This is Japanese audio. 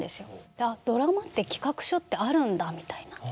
あっドラマって企画書ってあるんだみたいな。